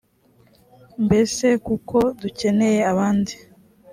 mbese koko dukeneye abandi